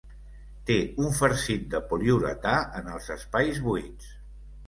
Té un farcit de poliuretà en els espais buits.